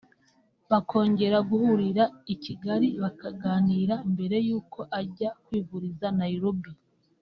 bakongera guhurira i Kigali bakaganira mbere y’uko ajya kwivuriza Nairobi